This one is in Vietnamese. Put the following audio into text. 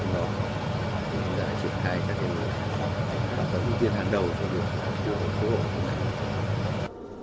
họ đã triển khai các lực lượng và có ưu tiên hàng đầu cho được cứu hộ của công an